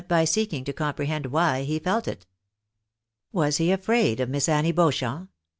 by seeking to comprehend why he felt it. Was he afraid of Miss Annie Beauchamp